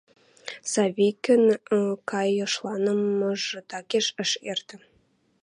Савикӹн кайышланымашыжы такеш ӹш эртӹ.